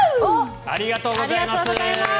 ありがとうございます。